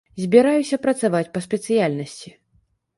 Збіраюся працаваць па спецыяльнасці.